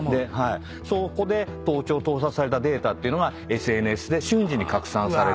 そこで盗聴盗撮されたデータっていうのがＳＮＳで瞬時に拡散されていく。